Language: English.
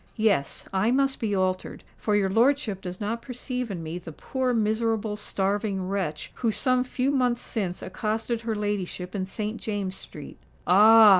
Yes—I must be altered; for your lordship does not perceive in me the poor miserable starving wretch who some few months since accosted her ladyship in Saint James's Street." "Ah!